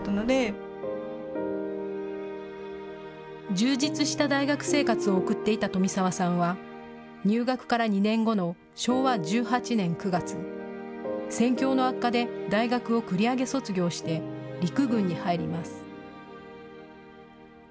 充実した大学生活を送っていた富澤さんは入学から２年後の昭和１８年９月、戦況の悪化で大学を繰り上げ卒業して陸軍に入ります。